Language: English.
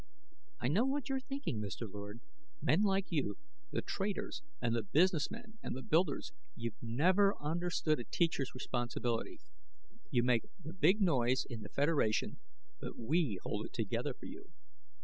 "I know what you're thinking, Mr. Lord. Men like you the traders and the businessmen and the builders you've never understood a teacher's responsibility. You make the big noise in the Federation; but we hold it together for you.